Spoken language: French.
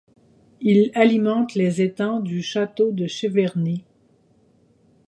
Il alimente les étangs du château de Cheverny.